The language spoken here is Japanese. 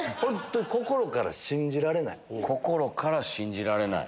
心から信じられない？